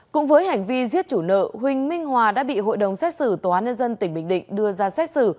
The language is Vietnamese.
cũng với hành vi giết chủ nợ huỳnh minh hòa đã bị hội đồng xét xử tòa án nhân dân tỉnh bình định đưa ra xét xử